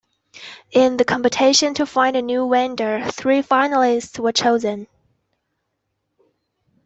In the competition to find a new vendor, three finalists were chosen.